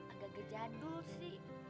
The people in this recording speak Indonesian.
agak agak jadul sih